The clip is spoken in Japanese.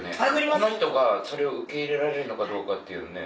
この人がそれを受け入れられるのかどうかっていうのをね。